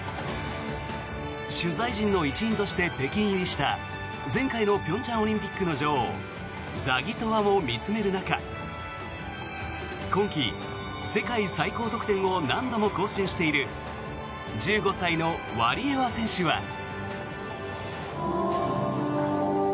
取材陣の一員として北京入りした前回の平昌オリンピックの女王ザギトワも見つめる中今季、世界最高得点を何度も更新している１５歳のワリエワ選手は。